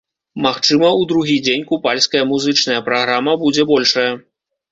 Магчыма, у другі дзень купальская музычная праграма будзе большая.